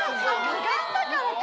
かがんだからか！